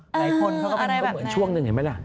หลายคนเขาก็เป็นก็เหมือนช่วงหนึ่งเห็นไหมล่ะ